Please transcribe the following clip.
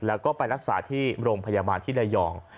แล้วก็ไปรักษาที่โรงพยาบาลที่ระยอง